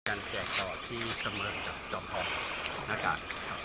การแจกต่อที่สมมุติจอบพร้อมหน้าการ